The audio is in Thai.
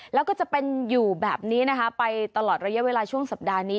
แล้วก็จะเป็นอยู่แบบนี้นะคะไปตลอดระยะเวลาช่วงสัปดาห์นี้